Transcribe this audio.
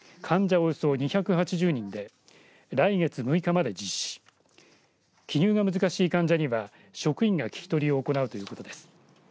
およそ２８０人で来月６日まで実施し記入が難しい患者には職員が聞き取りを行うということです。